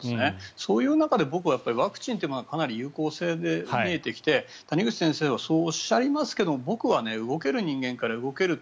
そういう中で僕はワクチンっていうのはかなり有効性が見えてきて谷口先生はそうおっしゃりますけれど僕は動ける人間から動く。